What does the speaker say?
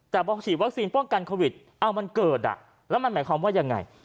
แต่พอฉีดวัคซีนป้องกันโควิดเอามันเกิดแล้วมันหมายความว่ายังไง